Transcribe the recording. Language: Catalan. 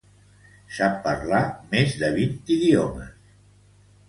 Sap parlar més de vint idiomes.